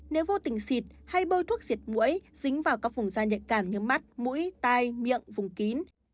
nếu vô tình xịt hay bơi thuốc diệt mũi dính vào các vùng da nhạy cảm như mắt mũi tai miệng vùng kín